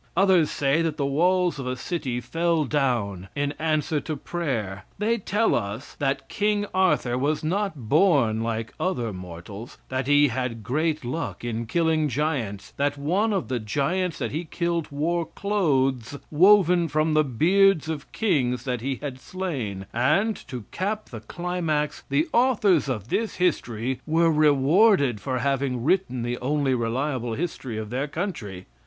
Others say that the walls of a city fell down in answer to prayer. They tell us that King Arthur was not born like other mortals; that he had great luck in killing giants; that one of the giants that he killed wore clothes woven from the beards of kings that he had slain, and, to cap the climax, the authors of this history were rewarded for having written the only reliable history of their country.